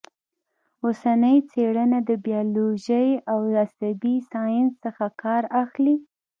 اوسنۍ څېړنه د بیولوژۍ او عصبي ساینس څخه کار اخلي